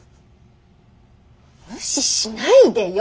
無視しないでよ！